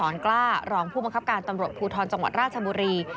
พร้อมด้วยพันธ์ตำรวจเอกธนรัฐสอนกล้ารองผู้บังคับการตำรวจภูทรจังหวัดราชบุรี